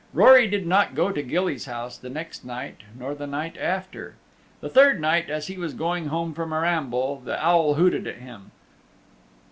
Rory did not go to Gilly's house the next night nor the night after. The third night, as he was going home from a ramble, the Owl hooted at him.